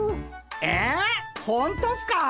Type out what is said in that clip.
えほんとっすか？